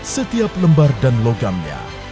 setiap lembar dan logamnya